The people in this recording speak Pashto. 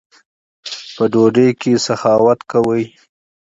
په ډوډۍ کښي سخاوت کوئ!